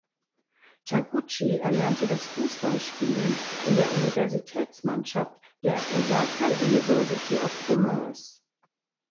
Taguchi erlernte das Fußballspielen in der Universitätsmannschaft der Osaka University of Commerce.